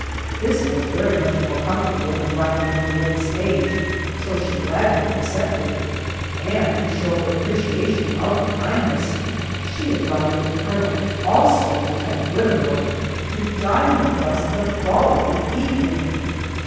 This was very much more comfortable than riding in the old stage, so she gladly accepted, and to show her appreciation of the kindness, she invited the colonel, also Lieutenant Whittemore, to dine with us the following evening!